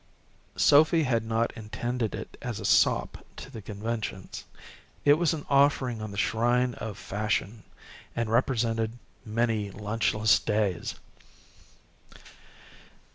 Sophy had not intended it as a sop to the conventions. It was an offering on the shrine of Fashion, and represented many lunchless days.